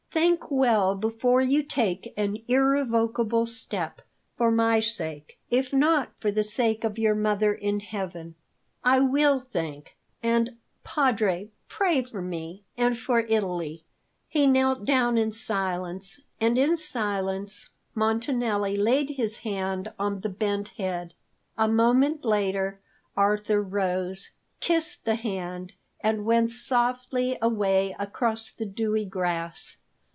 Think well before you take an irrevocable step, for my sake, if not for the sake of your mother in heaven." "I will think and Padre, pray for me, and for Italy." He knelt down in silence, and in silence Montanelli laid his hand on the bent head. A moment later Arthur rose, kissed the hand, and went softly away across the dewy grass.